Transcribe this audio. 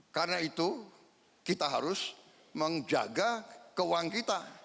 karena itu kita harus menjaga keuangan kita